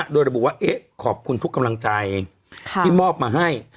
โดยระบุว่าเอ๊ะขอบคุณทุกกำลังใจที่มอบมาให้